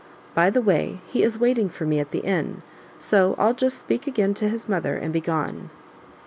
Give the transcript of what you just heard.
By the way he is waiting for me at the inn, so I'll just speak again to his mother, and be gone."